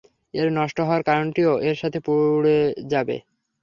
এর নষ্ট হওয়ার কারণটিও এর সাথে পুড়ে যাবে।